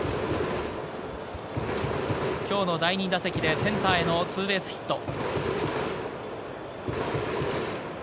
今日の第２打席でセンターへのツーベースヒット。